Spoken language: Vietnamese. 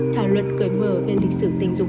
thảo luận cởi mở về lịch sử tình dục